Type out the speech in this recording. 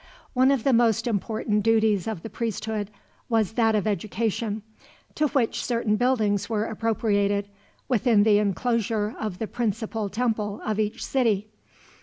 One of the most important duties of the priesthood was that of education, to which certain buildings were appropriated, within the enclosure of the principal temple of each city.